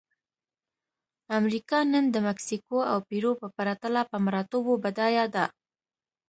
امریکا نن د مکسیکو او پیرو په پرتله په مراتبو بډایه ده.